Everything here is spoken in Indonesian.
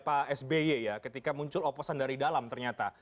pak sby ya ketika muncul oposan dari dalam ternyata